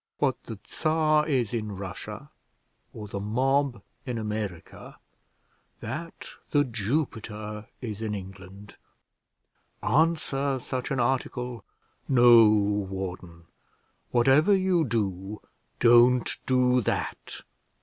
What the Czar is in Russia, or the mob in America, that The Jupiter is in England. Answer such an article! No, warden; whatever you do, don't do that.